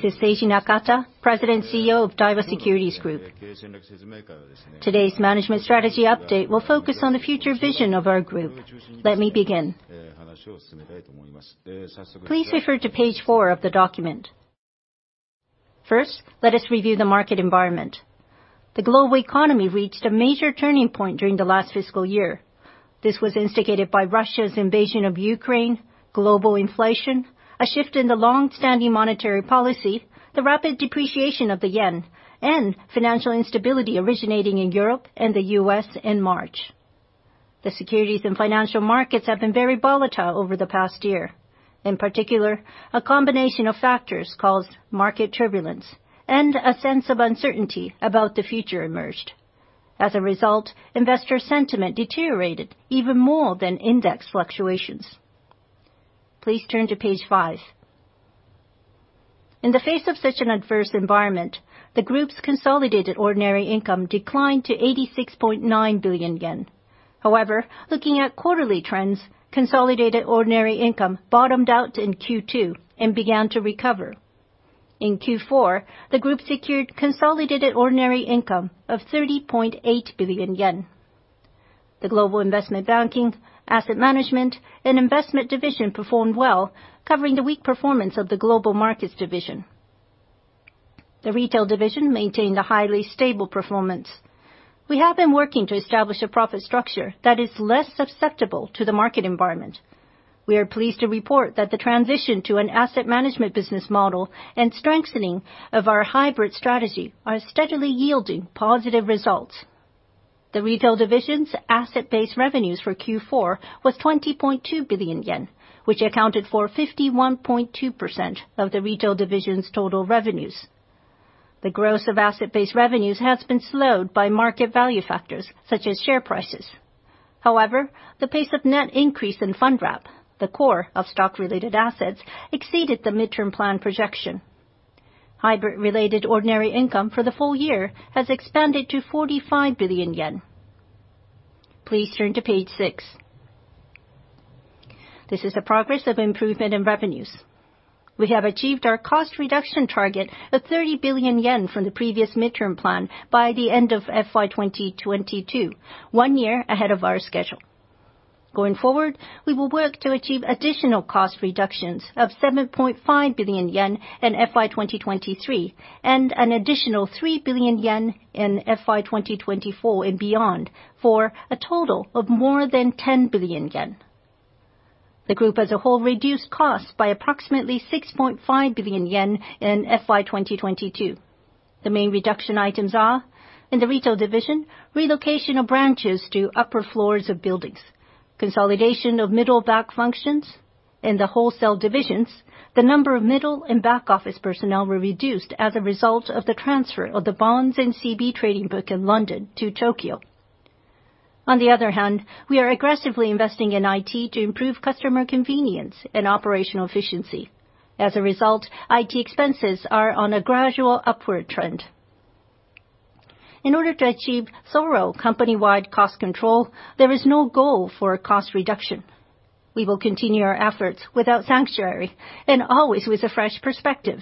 This is Seiji Nakata, President and CEO of Daiwa Securities Group. Today's management strategy update will focus on the future vision of our group. Let me begin. Please refer to page 4 of the document. First, let us review the market environment. The global economy reached a major turning point during the last fiscal year. This was instigated by Russia's invasion of Ukraine, global inflation, a shift in the long-standing monetary policy, the rapid depreciation of the yen, and financial instability originating in Europe and the US in March. The securities and financial markets have been very volatile over the past year. In particular, a combination of factors caused market turbulence and a sense of uncertainty about the future emerged. As a result, investor sentiment deteriorated even more than index fluctuations. Please turn to page 5. In the face of such an adverse environment, the group's consolidated ordinary income declined to 86.9 billion yen. Looking at quarterly trends, consolidated ordinary income bottomed out in Q2 and began to recover. In Q4, the group secured consolidated ordinary income of 30.8 billion yen. The global investment banking, asset management, and investment division performed well, covering the weak performance of the global markets division. The retail division maintained a highly stable performance. We have been working to establish a profit structure that is less susceptible to the market environment. We are pleased to report that the transition to an asset management business model and strengthening of our hybrid strategy are steadily yielding positive results. The retail division's asset-based revenues for Q4 was 20.2 billion yen, which accounted for 51.2% of the retail division's total revenues. The growth of asset-based revenues has been slowed by market value factors, such as share prices. The pace of net increase in Fund Wrap, the core of stock-related assets, exceeded the midterm plan projection. Hybrid-related ordinary income for the full year has expanded to 45 billion yen. Please turn to page 6. This is the progress of improvement in revenues. We have achieved our cost reduction target of 30 billion yen from the previous midterm plan by the end of FY 2022, one year ahead of our schedule. Going forward, we will work to achieve additional cost reductions of 7.5 billion yen in FY 2023, and an additional 3 billion yen in FY 2024 and beyond, for a total of more than 10 billion yen. The group as a whole reduced costs by approximately 6.5 billion yen in FY 2022. The main reduction items are, in the retail division, relocation of branches to upper floors of buildings, consolidation of middle back functions. In the wholesale divisions, the number of middle and back office personnel were reduced as a result of the transfer of the bonds and CB trading book in London to Tokyo. We are aggressively investing in IT to improve customer convenience and operational efficiency. IT expenses are on a gradual upward trend. In order to achieve thorough company-wide cost control, there is no goal for cost reduction. We will continue our efforts without sanctuary and always with a fresh perspective.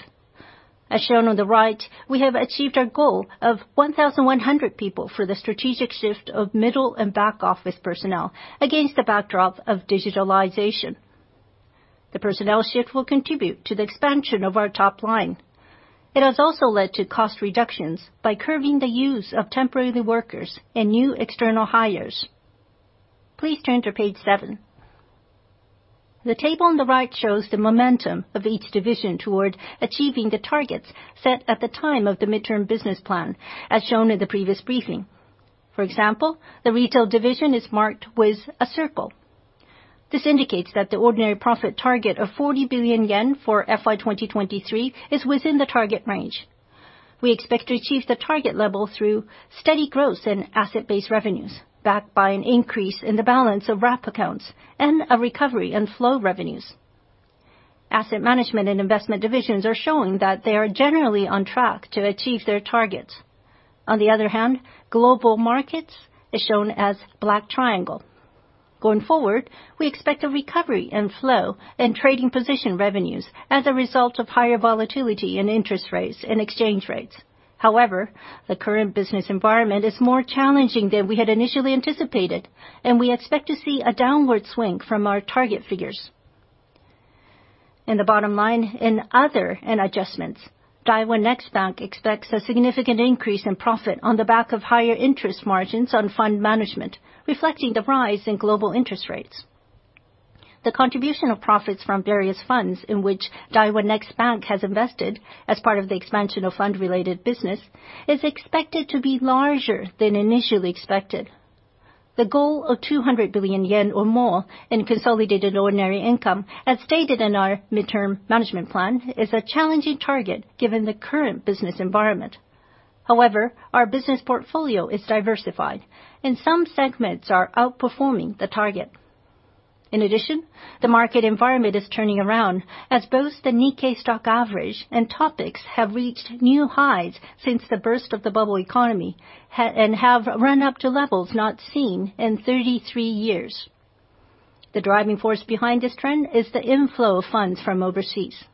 As shown on the right, we have achieved our goal of 1,100 people for the strategic shift of middle and back office personnel against the backdrop of digitalization. The personnel shift will contribute to the expansion of our top line. It has also led to cost reductions by curbing the use of temporary workers and new external hires. Please turn to page 7. The table on the right shows the momentum of each division toward achieving the targets set at the time of the midterm business plan, as shown in the previous briefing. For example, the retail division is marked with a circle. This indicates that the ordinary profit target of 40 billion yen for FY 2023 is within the target range. We expect to achieve the target level through steady growth in asset-based revenues, backed by an increase in the balance of wrap accounts and a recovery in flow revenues. Asset management and investment divisions are showing that they are generally on track to achieve their targets. On the other hand, global markets is shown as black triangle. Going forward, we expect a recovery in flow and trading position revenues as a result of higher volatility in interest rates and exchange rates. However, the current business environment is more challenging than we had initially anticipated, and we expect to see a downward swing from our target figures. In the bottom line, in other and adjustments, Daiwa Next Bank expects a significant increase in profit on the back of higher interest margins on fund management, reflecting the rise in global interest rates. The contribution of profits from various funds in which Daiwa Next Bank has invested as part of the expansion of fund-related business, is expected to be larger than initially expected. The goal of 200 billion yen or more in consolidated ordinary income, as stated in our midterm management plan, is a challenging target given the current business environment. Our business portfolio is diversified, and some segments are outperforming the target. The market environment is turning around, as both the Nikkei Stock Average and TOPIX have reached new highs since the burst of the bubble economy, and have run up to levels not seen in 33 years. The driving force behind this trend is the inflow of funds from overseas.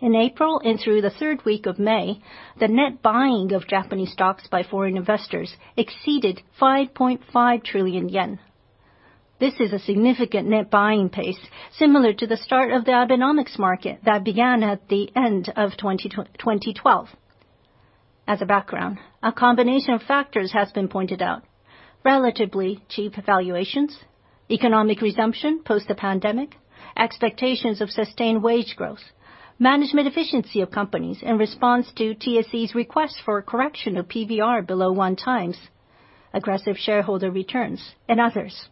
In April and through the third week of May, the net buying of Japanese stocks by foreign investors exceeded 5.5 trillion yen. This is a significant net buying pace, similar to the start of the Abenomics market that began at the end of 2012. As a background, a combination of factors has been pointed out: relatively cheap valuations, economic resumption post the pandemic, expectations of sustained wage growth, management efficiency of companies in response to TSE's request for a correction of PBR below one times, aggressive shareholder returns, and others.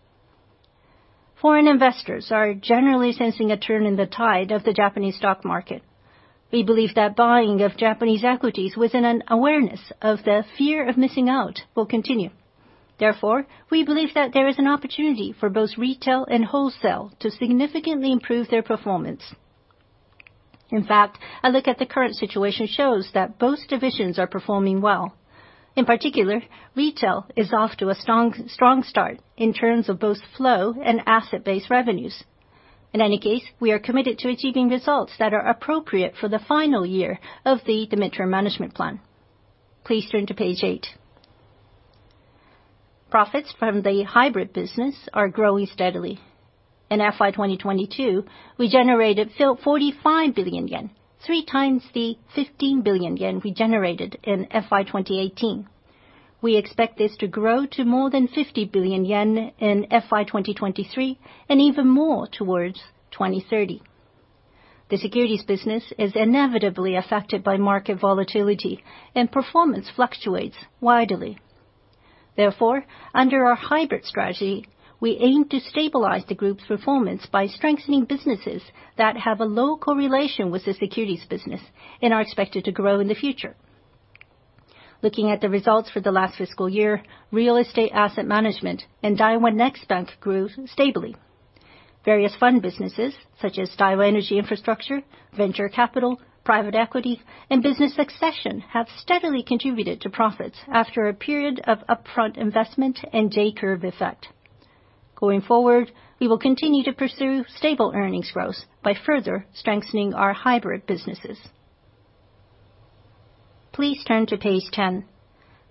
Foreign investors are generally sensing a turn in the tide of the Japanese stock market. We believe that buying of Japanese equities within an awareness of the fear of missing out will continue. Therefore, we believe that there is an opportunity for both retail and wholesale to significantly improve their performance. In fact, a look at the current situation shows that both divisions are performing well. In particular, retail is off to a strong start in terms of both flow and asset-based revenues. In any case, we are committed to achieving results that are appropriate for the final year of the mid-term management plan. Please turn to page 8. Profits from the hybrid business are growing steadily. In FY 2022, we generated 45 billion yen, 3x the 15 billion yen we generated in FY 2018. We expect this to grow to more than 50 billion yen in FY 2023, and even more towards 2030. The securities business is inevitably affected by market volatility, and performance fluctuates widely. Therefore, under our hybrid strategy, we aim to stabilize the group's performance by strengthening businesses that have a low correlation with the securities business and are expected to grow in the future. Looking at the results for the last fiscal year, real estate asset management and Daiwa Next Bank grew stably. Various fund businesses, such as Daiwa Energy & Infrastructure, venture capital, private equity, and business succession, have steadily contributed to profits after a period of upfront investment and J-curve effect. Going forward, we will continue to pursue stable earnings growth by further strengthening our hybrid businesses. Please turn to page 10.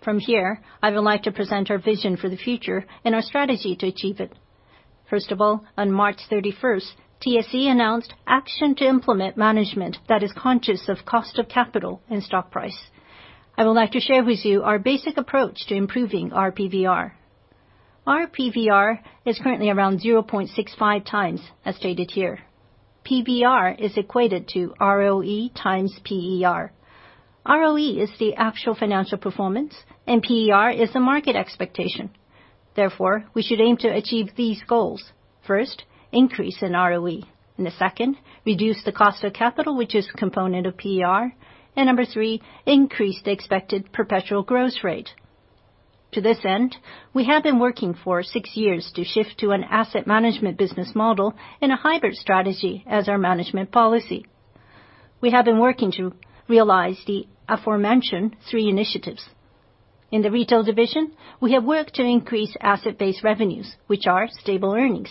From here, I would like to present our vision for the future and our strategy to achieve it. First of all, on March 31st, TSE announced action to implement management that is conscious of cost of capital and stock price. I would like to share with you our basic approach to improving our PBR. Our PBR is currently around 0.65x, as stated here. PBR is equated to ROE times PER. ROE is the actual financial performance, and PER is the market expectation. We should aim to achieve these goals: first, increase in ROE, and the second, reduce the cost of capital, which is a component of PER, and number three, increase the expected perpetual growth rate. To this end, we have been working for six years to shift to an asset management business model and a hybrid strategy as our management policy. We have been working to realize the aforementioned three initiatives. In the retail division, we have worked to increase asset-based revenues, which are stable earnings,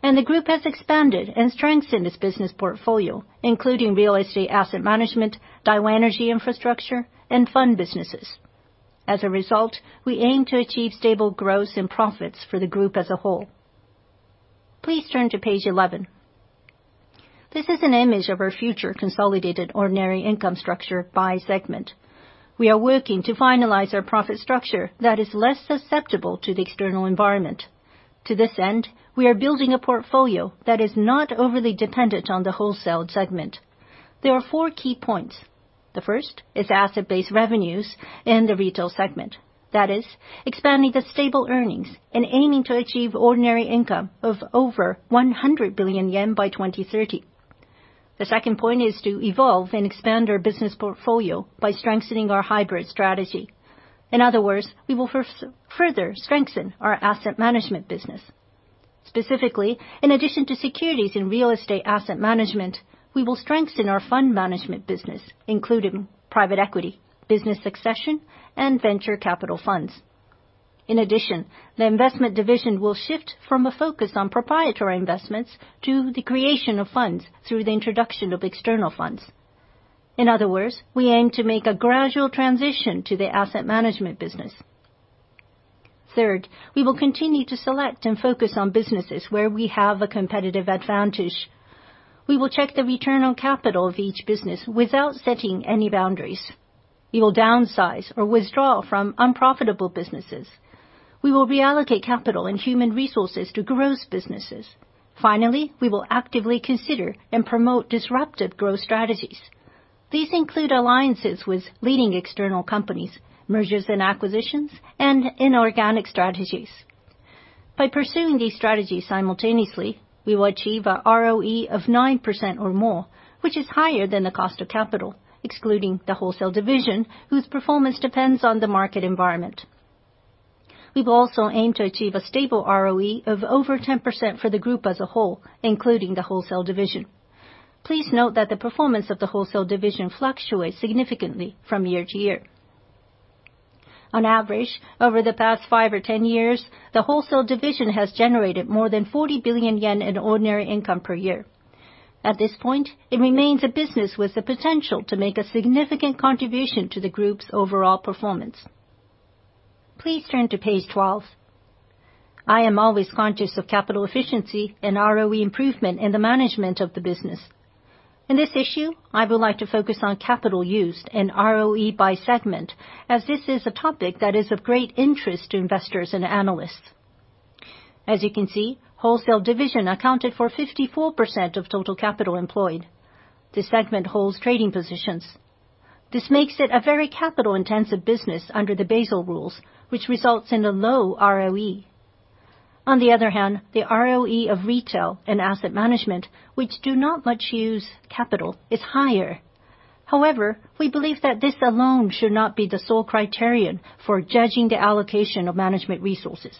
and the group has expanded and strengthened its business portfolio, including real estate asset management, Daiwa Energy & Infrastructure, and fund businesses. As a result, we aim to achieve stable growth and profits for the group as a whole. Please turn to page 11. This is an image of our future consolidated ordinary income structure by segment. We are working to finalize our profit structure that is less susceptible to the external environment. To this end, we are building a portfolio that is not overly dependent on the wholesale segment. There are four key points. The first is asset-based revenues in the retail segment. That is, expanding the stable earnings and aiming to achieve ordinary income of over 100 billion yen by 2030. The second point is to evolve and expand our business portfolio by strengthening our hybrid strategy. In other words, we will further strengthen our asset management business. Specifically, in addition to securities and real estate asset management, we will strengthen our fund management business, including private equity, business succession, and venture capital funds. The investment division will shift from a focus on proprietary investments to the creation of funds through the introduction of external funds. In other words, we aim to make a gradual transition to the asset management business. Third, we will continue to select and focus on businesses where we have a competitive advantage. We will check the return on capital of each business without setting any boundaries. We will downsize or withdraw from unprofitable businesses. We will reallocate capital and human resources to growth businesses. Finally, we will actively consider and promote disruptive growth strategies. These include alliances with leading external companies, mergers and acquisitions, and inorganic strategies. By pursuing these strategies simultaneously, we will achieve a ROE of 9% or more, which is higher than the cost of capital, excluding the wholesale division, whose performance depends on the market environment. We will also aim to achieve a stable ROE of over 10% for the group as a whole, including the wholesale division. Please note that the performance of the wholesale division fluctuates significantly from year to year. On average, over the past 5 or 10 years, the wholesale division has generated more than 40 billion yen in ordinary income per year. At this point, it remains a business with the potential to make a significant contribution to the group's overall performance. Please turn to page 12. I am always conscious of capital efficiency and ROE improvement in the management of the business. In this issue, I would like to focus on capital used and ROE by segment, as this is a topic that is of great interest to investors and analysts. As you can see, wholesale division accounted for 54% of total capital employed. This segment holds trading positions. This makes it a very capital-intensive business under the Basel rules, which results in a low ROE. On the other hand, the ROE of retail and asset management, which do not much use capital, is higher. However, we believe that this alone should not be the sole criterion for judging the allocation of management resources.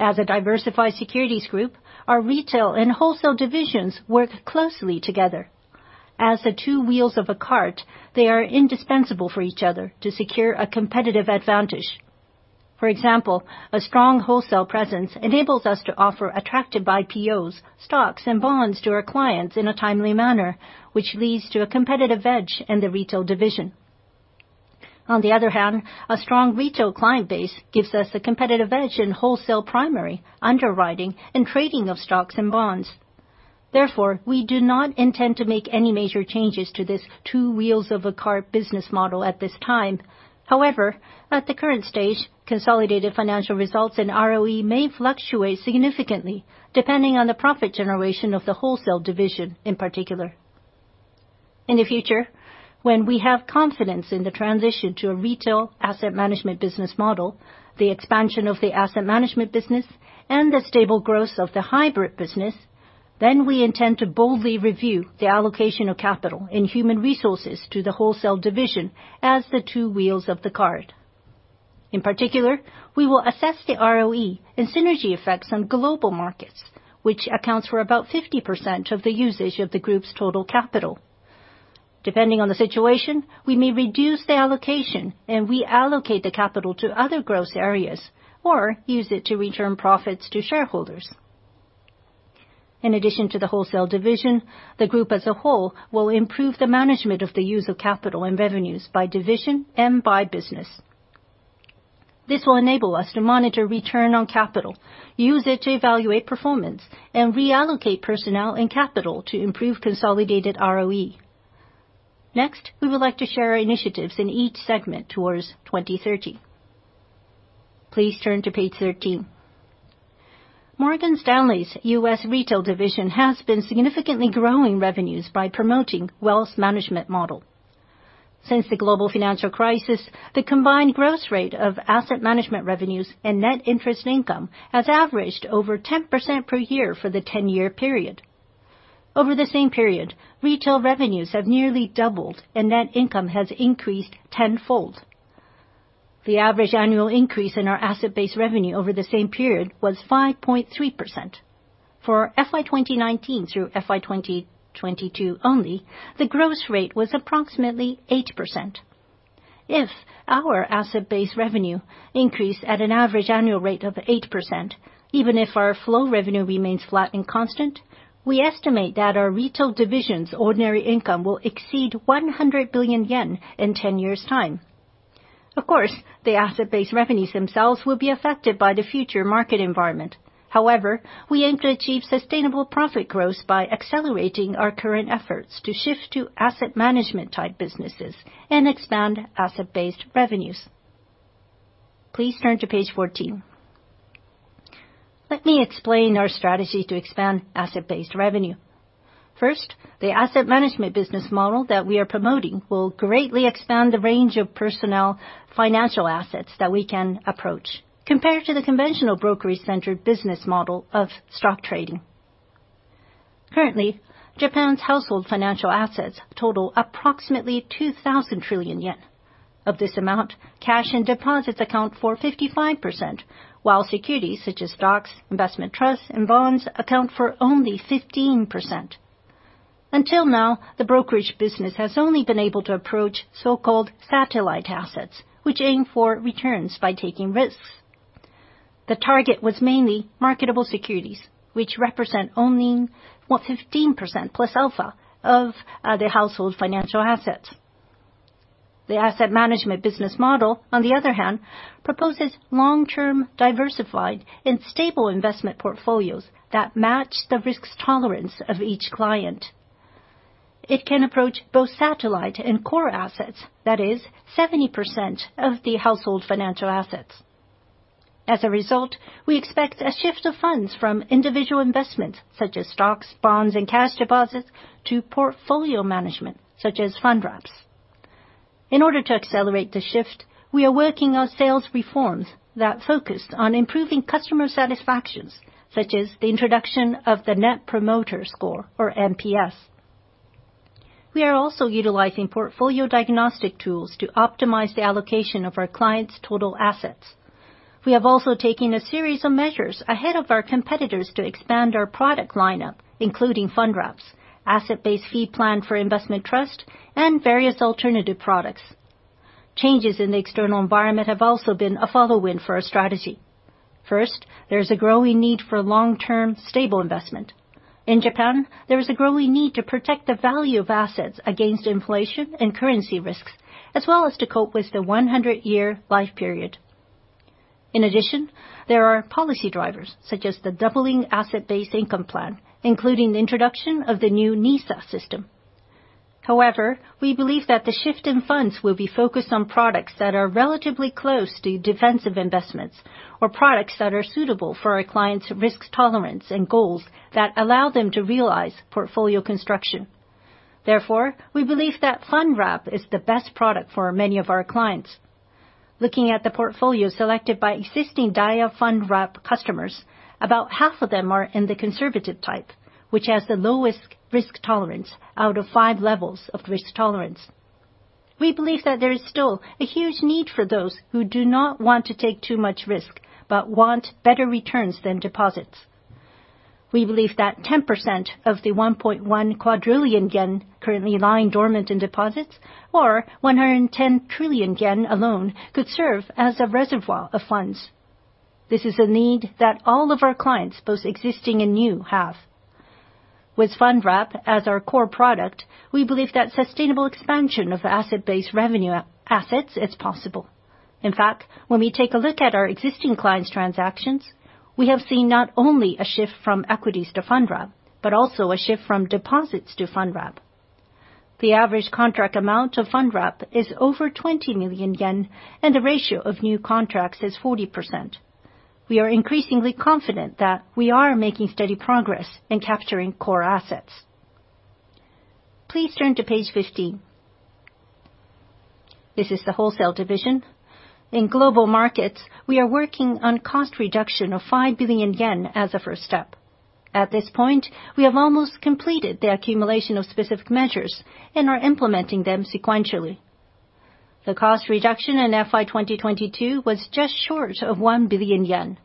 As a diversified securities group, our retail and wholesale divisions work closely together. As the two wheels of a cart, they are indispensable for each other to secure a competitive advantage. For example, a strong wholesale presence enables us to offer attractive IPOs, stocks, and bonds to our clients in a timely manner, which leads to a competitive edge in the retail division. On the other hand, a strong retail client base gives us a competitive edge in wholesale, primary underwriting, and trading of stocks and bonds. Therefore, we do not intend to make any major changes to this two wheels of a cart business model at this time. However, at the current stage, consolidated financial results and ROE may fluctuate significantly depending on the profit generation of the wholesale division, in particular. In the future, when we have confidence in the transition to a retail asset management business model, the expansion of the asset management business, and the stable growth of the hybrid business, then we intend to boldly review the allocation of capital and human resources to the wholesale division as the two wheels of the cart. In particular, we will assess the ROE and synergy effects on global markets, which accounts for about 50% of the usage of the group's total capital. Depending on the situation, we may reduce the allocation and reallocate the capital to other growth areas, or use it to return profits to shareholders. In addition to the wholesale division, the group as a whole will improve the management of the use of capital and revenues by division and by business. This will enable us to monitor return on capital, use it to evaluate performance, and reallocate personnel and capital to improve consolidated ROE. We would like to share our initiatives in each segment towards 2030. Please turn to page 13. Morgan Stanley's US retail division has been significantly growing revenues by promoting wealth management model. Since the global financial crisis, the combined growth rate of asset management revenues and net interest income has averaged over 10% per year for the 10-year period. Over the same period, retail revenues have nearly doubled and net income has increased tenfold. The average annual increase in our asset-based revenue over the same period was 5.3%. For FY 2019 through FY 2022 only, the growth rate was approximately 8%. If our asset-based revenue increased at an average annual rate of 8%, even if our flow revenue remains flat and constant, we estimate that our retail division's ordinary income will exceed 100 billion yen in 10 years' time. Of course, the asset-based revenues themselves will be affected by the future market environment. However, we aim to achieve sustainable profit growth by accelerating our current efforts to shift to asset management-type businesses and expand asset-based revenues. Please turn to page 14. Let me explain our strategy to expand asset-based revenue. First, the asset management business model that we are promoting will greatly expand the range of personal financial assets that we can approach, compared to the conventional brokerage-centered business model of stock trading. Currently, Japan's household financial assets total approximately 2,000 trillion yen. Of this amount, cash and deposits account for 55%, while securities, such as stocks, investment trusts, and bonds, account for only 15%. Until now, the brokerage business has only been able to approach so-called satellite assets, which aim for returns by taking risks. The target was mainly marketable securities, which represent only, well, 15% plus alpha of the household financial assets. The asset management business model, on the other hand, proposes long-term, diversified, stable investment portfolios that match the risk tolerance of each client. It can approach both satellite and core assets, that is 70% of the household financial assets. As a result, we expect a shift of funds from individual investments such as stocks, bonds, and cash deposits to portfolio management such as fund wraps. In order to accelerate the shift, we are working on sales reforms that focus on improving customer satisfactions, such as the introduction of the Net Promoter Score, or NPS. We are also utilizing portfolio diagnostic tools to optimize the allocation of our clients' total assets. We have also taken a series of measures ahead of our competitors to expand our product lineup, including Fund Wraps, asset-based fee plan for investment trust, and various alternative products. Changes in the external environment have also been a tailwind for our strategy. First, there is a growing need for long-term, stable investment. In Japan, there is a growing need to protect the value of assets against inflation and currency risks, as well as to cope with the 100-year life period. In addition, there are policy drivers, such as the Doubling Asset-based Income Plan, including the introduction of the new NISA system. However, we believe that the shift in funds will be focused on products that are relatively close to defensive investments or products that are suitable for our clients' risk tolerance and goals that allow them to realize portfolio construction. Therefore, we believe that Fund Wrap is the best product for many of our clients. Looking at the portfolio selected by existing Daiwa Fund Wrap customers, about half of them are in the conservative type, which has the lowest risk tolerance out of 5 levels of risk tolerance. We believe that there is still a huge need for those who do not want to take too much risk, but want better returns than deposits. We believe that 10% of the 1.1 yen quadrillion currently lying dormant in deposits, or 110 trillion yen alone, could serve as a reservoir of funds. This is a need that all of our clients, both existing and new, have. With Fund Wrap as our core product, we believe that sustainable expansion of asset-based revenue assets is possible. In fact, when we take a look at our existing clients' transactions, we have seen not only a shift from equities to Fund Wrap, but also a shift from deposits to Fund Wrap. The average contract amount of Fund Wrap is over 20 million yen, and the ratio of new contracts is 40%. We are increasingly confident that we are making steady progress in capturing core assets. Please turn to page 15. This is the wholesale division. In global markets, we are working on cost reduction of 5 billion yen as a first step. At this point, we have almost completed the accumulation of specific measures and are implementing them sequentially. The cost reduction in FY 2022 was just short of 1 billion yen.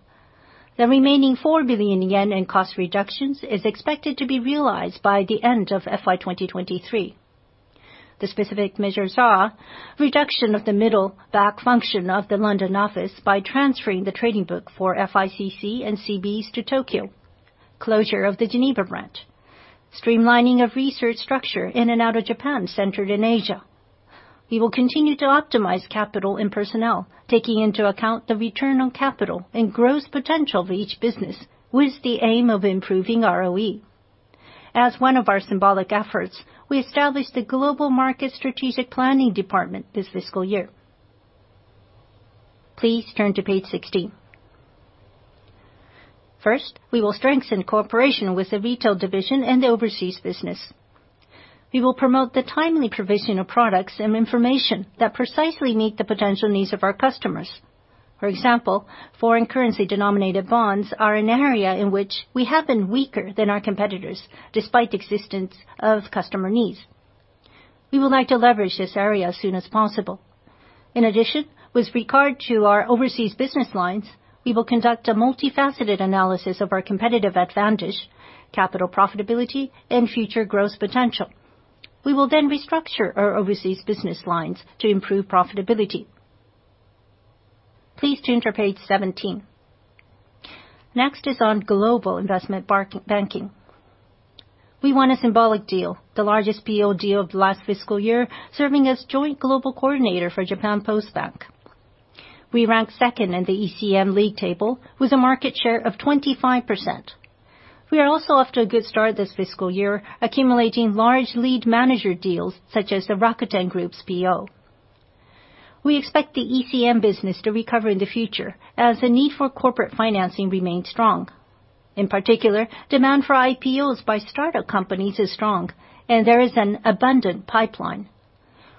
The remaining 4 billion yen in cost reductions is expected to be realized by the end of FY 2023. The specific measures are reduction of the middle back function of the London office by transferring the trading book for FICC and CBs to Tokyo, closure of the Geneva branch, streamlining of research structure in and out of Japan, centered in Asia. We will continue to optimize capital and personnel, taking into account the return on capital and growth potential of each business, with the aim of improving ROE. As one of our symbolic efforts, we established a global market strategic planning department this fiscal year. Please turn to page 16. First, we will strengthen cooperation with the retail division and the overseas business. We will promote the timely provision of products and information that precisely meet the potential needs of our customers. For example, foreign currency-denominated bonds are an area in which we have been weaker than our competitors, despite the existence of customer needs. We would like to leverage this area as soon as possible. With regard to our overseas business lines, we will conduct a multifaceted analysis of our competitive advantage, capital profitability, and future growth potential. We will restructure our overseas business lines to improve profitability. Please turn to page 17. Next is on global investment banking. We won a symbolic deal, the largest PO deal of the last fiscal year, serving as joint global coordinator for Japan Post Bank. We ranked second in the ECM league table with a market share of 25%. We are also off to a good start this fiscal year, accumulating large lead manager deals such as the Rakuten Group's PO. We expect the ECM business to recover in the future as the need for corporate financing remains strong. In particular, demand for IPOs by startup companies is strong, and there is an abundant pipeline.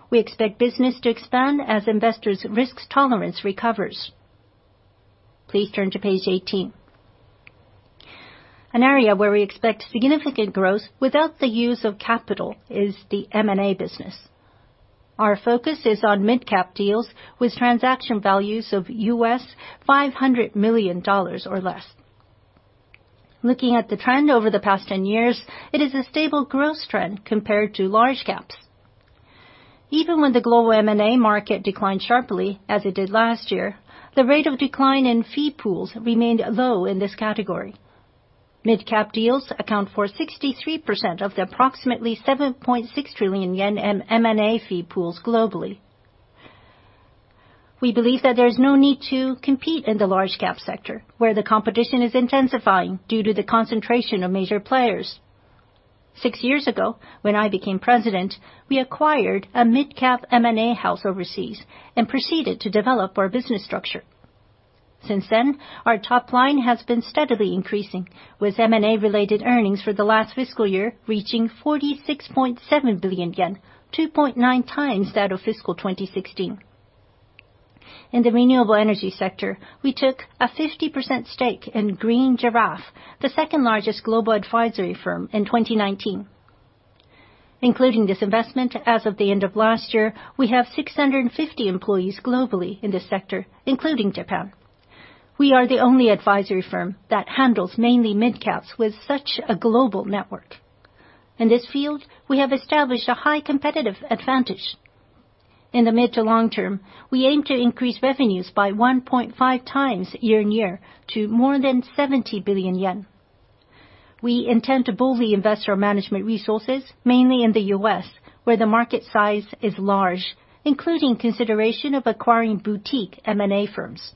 We expect business to expand as investors' risk tolerance recovers. Please turn to page 18. An area where we expect significant growth without the use of capital is the M&A business. Our focus is on mid-cap deals with transaction values of $500 million or less. Looking at the trend over the past 10 years, it is a stable growth trend compared to large caps. Even when the global M&A market declined sharply, as it did last year, the rate of decline in fee pools remained low in this category. Mid-cap deals account for 63% of the approximately 7.6 trillion yen in M&A fee pools globally. We believe that there is no need to compete in the large cap sector, where the competition is intensifying due to the concentration of major players. Six years ago, when I became president, we acquired a mid-cap M&A house overseas and proceeded to develop our business structure. Since then, our top line has been steadily increasing, with M&A-related earnings for the last fiscal year reaching 46.7 billion yen, 2.9x that of fiscal 2016. In the renewable energy sector, we took a 50% stake in Green Giraffe, the second-largest global advisory firm, in 2019. Including this investment, as of the end of last year, we have 650 employees globally in this sector, including Japan. We are the only advisory firm that handles mainly mid caps with such a global network. In this field, we have established a high competitive advantage. In the mid to long term, we aim to increase revenues by 1.5x year-on-year to more than 70 billion yen. We intend to boldly invest our management resources, mainly in the U.S., where the market size is large, including consideration of acquiring boutique M&A firms.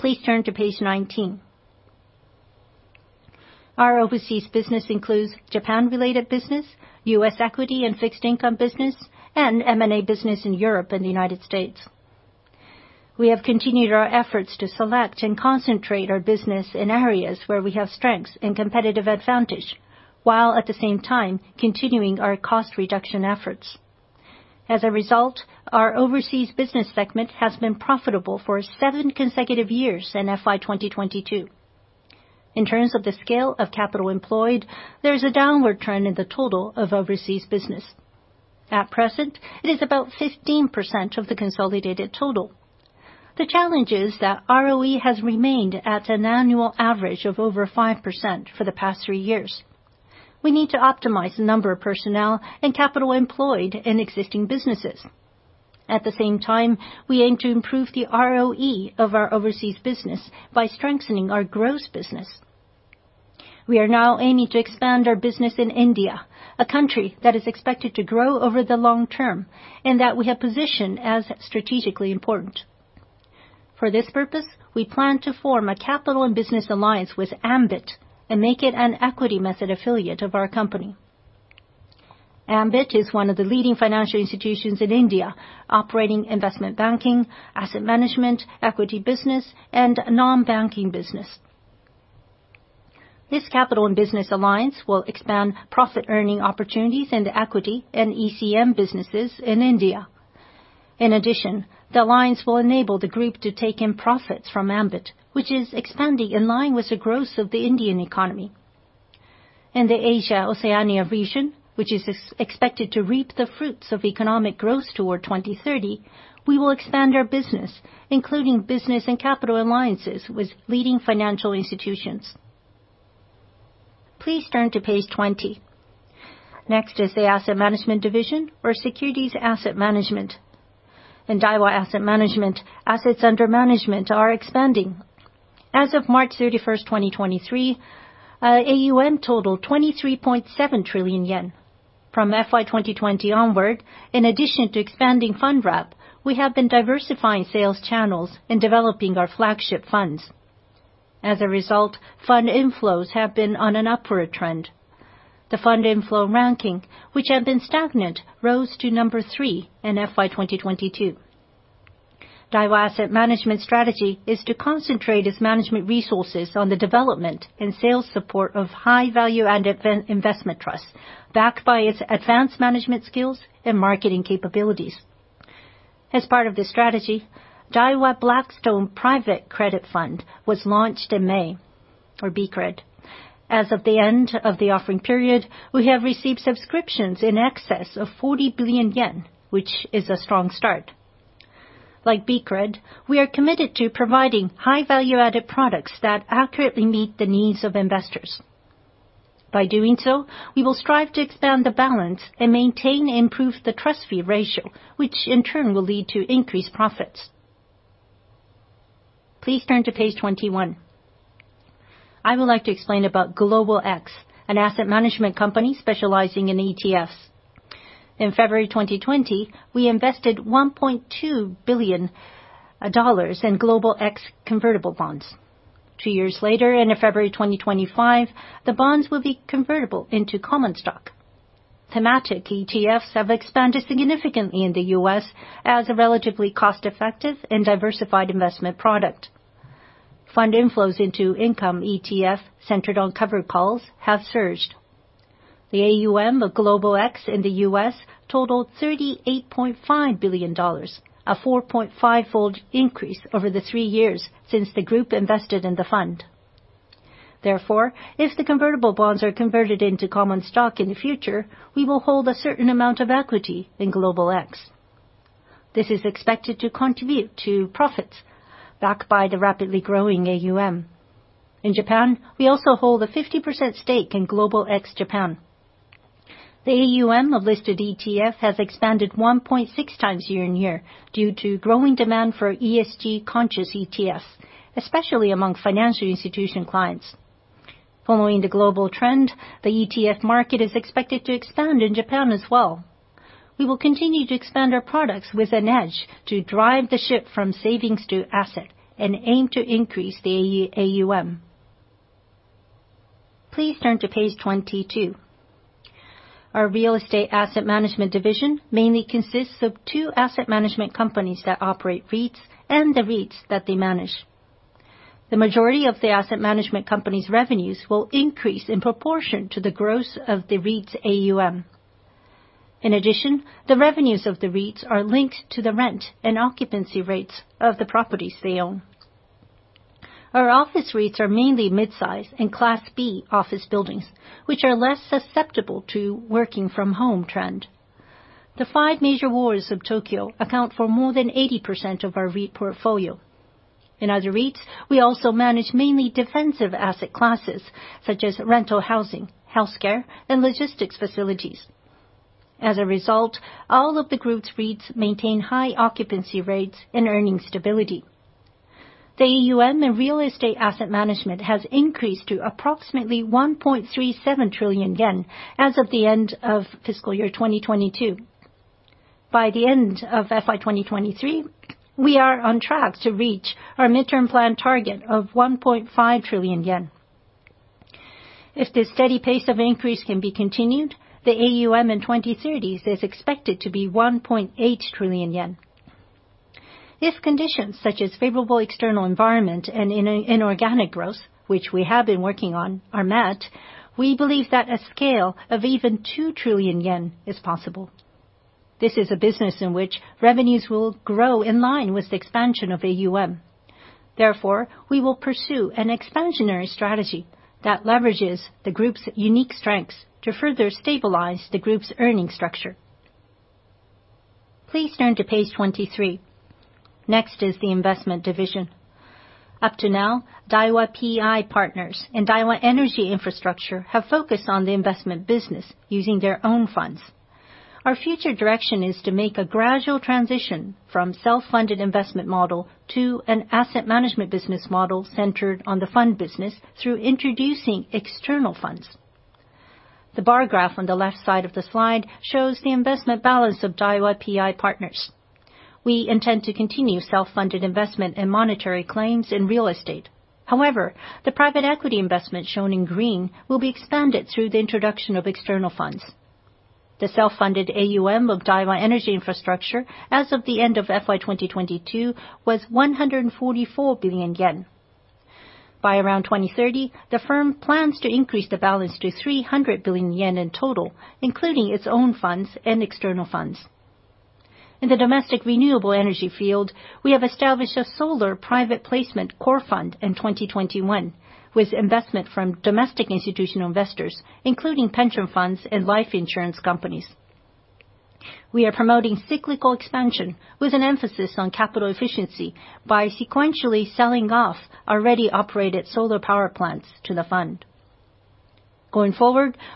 Please turn to page 19. Our overseas business includes Japan-related business, US equity and fixed income business, and M&A business in Europe and the United States. We have continued our efforts to select and concentrate our business in areas where we have strengths and competitive advantage, while at the same time, continuing our cost reduction efforts. As a result, our overseas business segment has been profitable for seven consecutive years in FY 2022. In terms of the scale of capital employed, there is a downward trend in the total of overseas business. At present, it is about 15% of the consolidated total. The challenge is that ROE has remained at an annual average of over 5% for the past 3 years. We need to optimize the number of personnel and capital employed in existing businesses. At the same time, we aim to improve the ROE of our overseas business by strengthening our gross business. We are now aiming to expand our business in India, a country that is expected to grow over the long term, and that we have positioned as strategically important. For this purpose, we plan to form a capital and business alliance with Ambit and make it an equity method affiliate of our company. Ambit is one of the leading financial institutions in India, operating investment banking, asset management, equity business, and non-banking business. This capital and business alliance will expand profit-earning opportunities in the equity and ECM businesses in India. In addition, the alliance will enable the group to take in profits from Ambit, which is expanding in line with the growth of the Indian economy. In the Asia-Oceania region, which is expected to reap the fruits of economic growth toward 2030, we will expand our business, including business and capital alliances with leading financial institutions. Please turn to page 20. Next is the asset management division for securities asset management. In Daiwa Asset Management, assets under management are expanding. As of March 31, 2023, AUM totaled 23.7 trillion yen. From FY 2020 onward, in addition to expanding Fund Wrap, we have been diversifying sales channels and developing our flagship funds. As a result, fund inflows have been on an upward trend. The fund inflow ranking, which had been stagnant, rose to number three in FY 2022. Daiwa Asset Management strategy is to concentrate its management resources on the development and sales support of high value-added investment trusts, backed by its advanced management skills and marketing capabilities. As part of this strategy, Daiwa Blackstone Private Credit Fund was launched in May, or BCRED. As of the end of the offering period, we have received subscriptions in excess of 40 billion yen, which is a strong start. Like BCRED, we are committed to providing high value-added products that accurately meet the needs of investors. By doing so, we will strive to expand the balance and maintain and improve the trust fee ratio, which in turn will lead to increased profits. Please turn to page 21. I would like to explain about Global X, an asset management company specializing in ETFs. In February 2020, we invested $1.2 billion in Global X convertible bonds. Two years later, in February 2025, the bonds will be convertible into common stock. Thematic ETFs have expanded significantly in the U.S. as a relatively cost-effective and diversified investment product. Fund inflows into income ETF centered on covered calls have surged. The AUM of Global X in the U.S. totaled $38.5 billion, a 4.5-fold increase over the 3 years since the group invested in the fund. If the convertible bonds are converted into common stock in the future, we will hold a certain amount of equity in Global X. This is expected to contribute to profits backed by the rapidly growing AUM. In Japan, we also hold a 50% stake in Global X Japan. The AUM of listed ETF has expanded 1.6 times year-on-year due to growing demand for ESG-conscious ETFs, especially among financial institution clients. Following the global trend, the ETF market is expected to expand in Japan as well. We will continue to expand our products with an edge to drive the shift from savings to asset and aim to increase the AUM. Please turn to page 22. Our real estate asset management division mainly consists of two asset management companies that operate REITs and the REITs that they manage. The majority of the asset management company's revenues will increase in proportion to the growth of the REITs AUM. The revenues of the REITs are linked to the rent and occupancy rates of the properties they own. Our office REITs are mainly mid-size and Class B office buildings, which are less susceptible to working from home trend. The five major wards of Tokyo account for more than 80% of our REIT portfolio. In other REITs, we also manage mainly defensive asset classes, such as rental housing, healthcare, and logistics facilities. All of the group's REITs maintain high occupancy rates and earning stability. The AUM and real estate asset management has increased to approximately 1.37 trillion yen as of the end of fiscal year 2022. By the end of FY 2023, we are on track to reach our midterm plan target of 1.5 trillion yen. If the steady pace of increase can be continued, the AUM in 2030s is expected to be 1.8 trillion yen. If conditions such as favorable external environment and inorganic growth, which we have been working on, are met, we believe that a scale of even 2 trillion yen is possible. This is a business in which revenues will grow in line with the expansion of AUM. Therefore, we will pursue an expansionary strategy that leverages the Group's unique strengths to further stabilize the Group's earning structure. Please turn to page 23. Next is the investment division. Up to now, Daiwa PI Partners and Daiwa Energy & Infrastructure have focused on the investment business using their own funds. Our future direction is to make a gradual transition from self-funded investment model to an asset management business model centered on the fund business through introducing external funds. The bar graph on the left side of the slide shows the investment balance of Daiwa PI Partners. We intend to continue self-funded investment in monetary claims in real estate. The private equity investment shown in green will be expanded through the introduction of external funds. The self-funded AUM of Daiwa Energy & Infrastructure as of the end of FY 2022 was 144 billion yen. By around 2030, the firm plans to increase the balance to 300 billion yen in total, including its own funds and external funds. In the domestic renewable energy field, we have established a solar private placement core fund in 2021, with investment from domestic institutional investors, including pension funds and life insurance companies. We are promoting cyclical expansion with an emphasis on capital efficiency by sequentially selling off already operated solar power plants to the fund.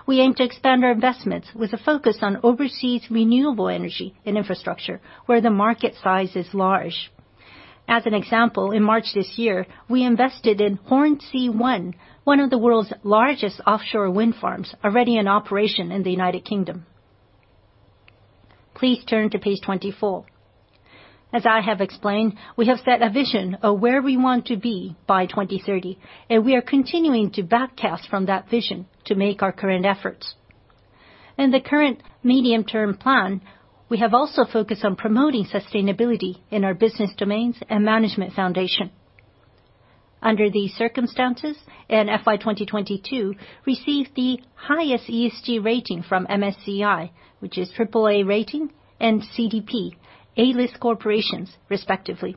We aim to expand our investments with a focus on overseas renewable energy and infrastructure, where the market size is large. As an example, in March this year, we invested in Hornsea 1, one of the world's largest offshore wind farms, already in operation in the United Kingdom. Please turn to page 24. As I have explained, we have set a vision of where we want to be by 2030, we are continuing to backcast from that vision to make our current efforts. In the current medium-term plan, we have also focused on promoting sustainability in our business domains and management foundation. Under these circumstances, in FY 2022, received the highest ESG rating from MSCI, which is AAA rating, and CDP A-List corporations, respectively.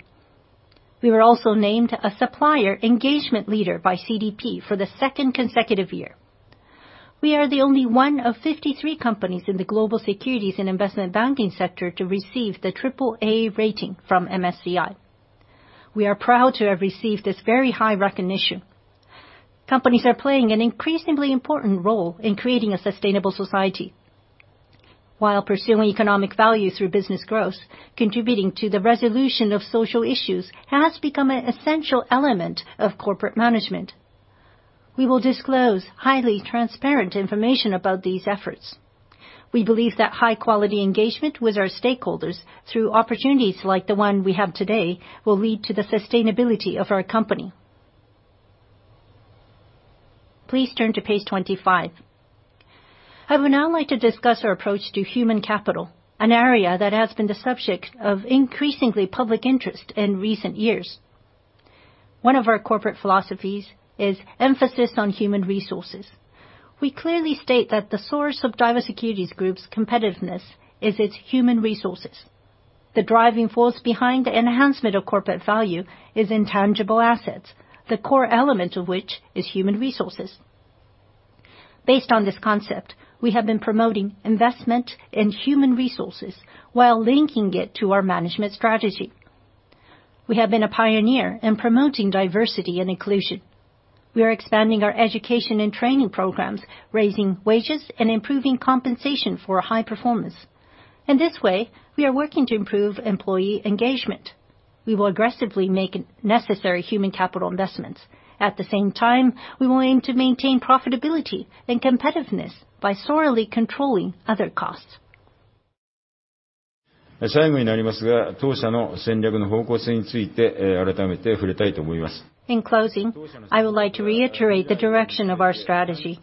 We were also named a supplier engagement leader by CDP for the second consecutive year. We are the only one of 53 companies in the global securities and investment banking sector to receive the AAA rating from MSCI. We are proud to have received this very high recognition. Companies are playing an increasingly important role in creating a sustainable society. While pursuing economic value through business growth, contributing to the resolution of social issues has become an essential element of corporate management. We will disclose highly transparent information about these efforts. We believe that high-quality engagement with our stakeholders through opportunities like the one we have today, will lead to the sustainability of our company. Please turn to page 25. I would now like to discuss our approach to human capital, an area that has been the subject of increasingly public interest in recent years. One of our corporate philosophies is emphasis on human resources. We clearly state that the source of Daiwa Securities Group's competitiveness is its human resources. The driving force behind the enhancement of corporate value is intangible assets, the core element of which is human resources. Based on this concept, we have been promoting investment in human resources while linking it to our management strategy. We have been a pioneer in promoting diversity and inclusion. We are expanding our education and training programs, raising wages, and improving compensation for high performance. In this way, we are working to improve employee engagement. We will aggressively make necessary human capital investments. At the same time, we will aim to maintain profitability and competitiveness by thoroughly controlling other costs. In closing, I would like to reiterate the direction of our strategy.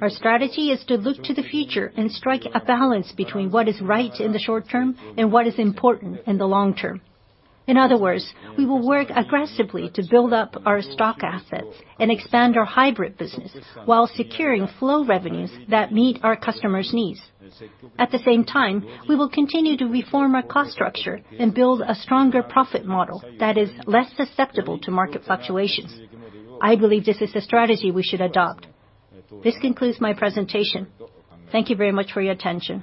Our strategy is to look to the future and strike a balance between what is right in the short term and what is important in the long term. In other words, we will work aggressively to build up our stock assets and expand our hybrid business while securing flow revenues that meet our customers' needs. At the same time, we will continue to reform our cost structure and build a stronger profit model that is less susceptible to market fluctuations. I believe this is the strategy we should adopt. This concludes my presentation. Thank you very much for your attention.